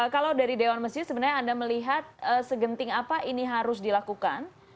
kalau dari dewan masjid sebenarnya anda melihat segenting apa ini harus dilakukan